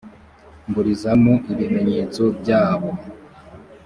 mburizamo ibimenyetso byabo